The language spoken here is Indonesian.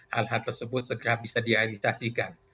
hal hal tersebut segera bisa dialitasikan